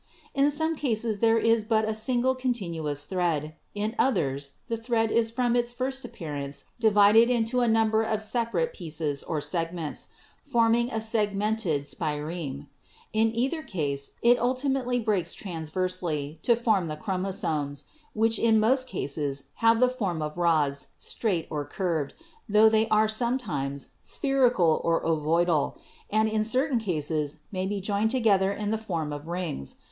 "In some cases there is but a single continuous thread, in others the thread is from its first appearance divided into a number of separate pieces or segments, forming a segmented spireme. In either case it ultimately breaks transversely to form the chromosomes, which in most cases have the form of rods, straight or curved, tho they are sometimes spherical or ovoidal and in certain cases may be joined together in the form of rings.